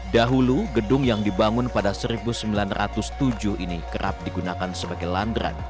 dahulu gedung yang dibangun pada seribu sembilan ratus tujuh ini kerap digunakan sebagai landrat